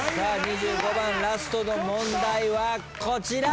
２５番ラストの問題はこちら！